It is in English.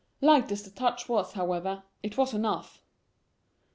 Light as the touch was, however, it was enough.